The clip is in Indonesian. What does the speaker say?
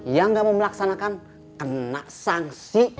yang gak mau melaksanakan kena sanksi